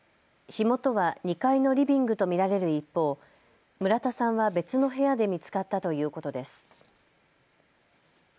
火元は２階のリビングと見られる一方、村田さんは別の部屋で見つかったということです。